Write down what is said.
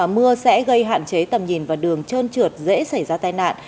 mưa sẽ gây hạn chế tầm nhìn và đường trơn trượt dễ xảy ra tai nạn